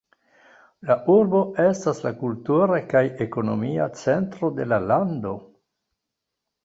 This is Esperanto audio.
La urbo estas la kultura kaj ekonomia centro de la lando.